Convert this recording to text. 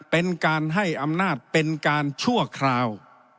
เป็นการให้อำนาจเป็นการชั่วคราว